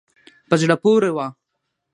په زړه پورې وه.